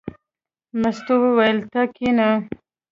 مستو وویل: ته کېنه.